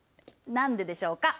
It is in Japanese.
何ででしょうか？